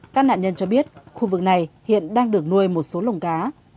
các nạn nhân cho biết khu vực này hiện đang được nuôi một số lồng cá